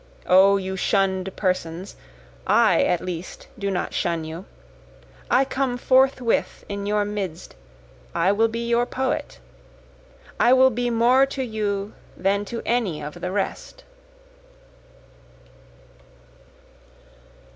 O you shunn'd persons, I at least do not shun you, I come forthwith in your midst, I will be your poet, I will be more to you than to any of the rest.